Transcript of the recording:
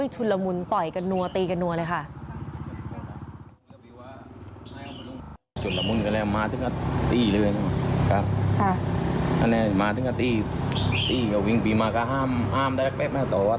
ชุนละมุนต่อยกันนัวตีกันนัวเลยค่ะ